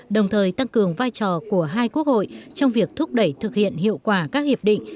đồng thời tăng cường vai trò của hai quốc hội trong việc thúc đẩy thực hiện hiệu quả các hiệp định